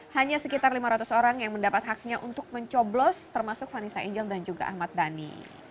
hanya sekitar lima ratus orang yang mendapat haknya untuk mencoblos termasuk vanessa angel dan juga ahmad dhani